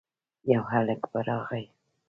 يو هلک په راغی.